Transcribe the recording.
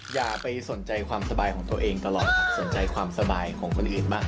อย่าไปสนใจความสบายของตัวเองตลอดครับสนใจความสบายของคนอื่นบ้าง